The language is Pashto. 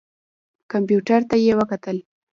کمپیوټر ته یې وکتل.